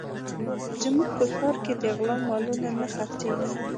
زموږ په ښار کې د غلا مالونه نه خرڅېږي